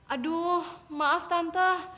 aduh maaf tante